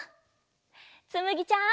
つむぎちゃん。